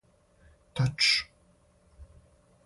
тач